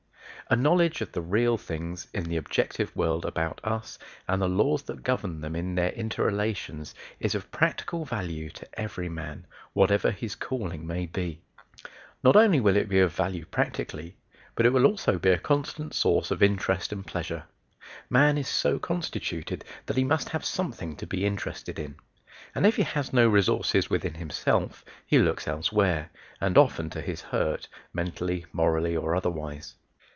A knowledge of the real things in the objective world about us and the laws that govern them in their inter relations is of practical value to every man, whatever his calling may be. Not only will it be of value practically, but it will also be a constant source of interest and pleasure. Man is so constituted that he must have something to be interested in, and if he has no resources within himself he looks elsewhere, and often to his hurt, mentally, morally, or otherwise.